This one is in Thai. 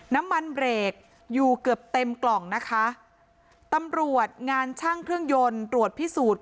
น้ำมันเบรกอยู่เกือบเต็มกล่องนะคะตำรวจงานช่างเครื่องยนต์ตรวจพิสูจน์